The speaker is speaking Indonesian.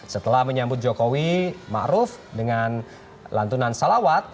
setelah menyambut jokowi ma'ruf dengan lantunan salawat